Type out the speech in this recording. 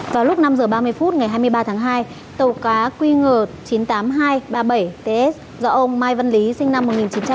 vào lúc năm h ba mươi phút ngày hai mươi ba tháng hai tàu cá qng chín mươi tám nghìn hai trăm ba mươi bảy ts do ông mai văn lý sinh năm một nghìn chín trăm tám mươi